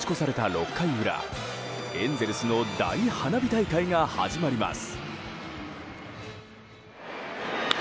６回裏エンゼルスの大花火大会が始まります。